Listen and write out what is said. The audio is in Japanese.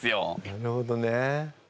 なるほどね。